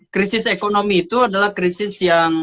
krisis ekonomi itu adalah krisis yang